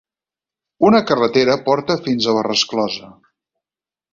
Una carretera porta fins a la resclosa.